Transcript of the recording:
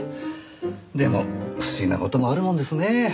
でも不思議な事もあるもんですね。